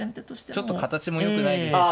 ちょっと形もよくないですし。